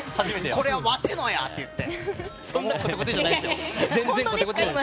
これ、わてのやって言って。